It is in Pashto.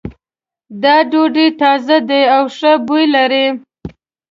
دا ډوډۍ تازه ده او ښه بوی لری